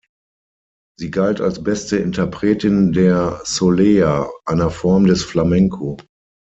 Sie galt als beste Interpretin der Soleá, einer Form des Flamenco.